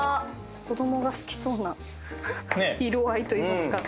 子供が好きそうな色合いといいますか。